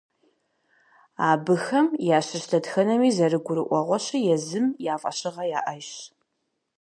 Абыхэм ящыщ дэтхэнэми, зэрыгурыӀуэгъуэщи, езым я фӀэщыгъэ яӀэжщ.